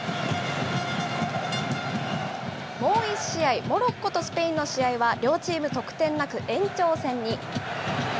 もう１試合、モロッコとスペインの試合は、両チーム得点なく、延長戦に。